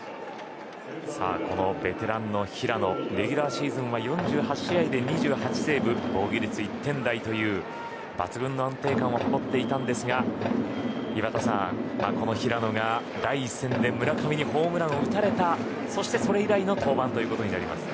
ベテランの平野レギュラーシーズンは４８試合で２８セーブ、防御率１点台という抜群の安定感を誇っていましたが井端さん、この平野が第１戦で村上にホームランを打たれてそれ以来の登板となります。